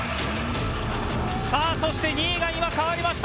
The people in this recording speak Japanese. そして２位が今、変わりました。